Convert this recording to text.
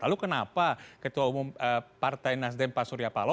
lalu kenapa ketua umum partai nasdem pak suryapalo